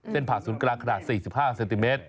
ผ่าศูนย์กลางขนาด๔๕เซนติเมตร